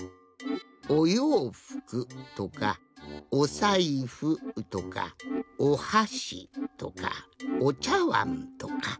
「おようふく」とか「おさいふ」とか「おはし」とか「おちゃわん」とか。